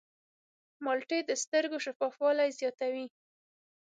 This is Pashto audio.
مالټې د سترګو شفافوالی زیاتوي.